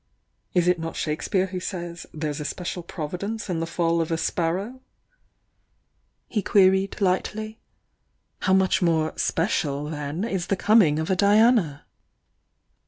"Is it not Shakespeare who says, 'There's a spe cial providence in the fall of a sparrow'?" he queried J^ 170 THE YOUNG DIANA lightly. "How much more 'special' then is the com ing of a Diana!"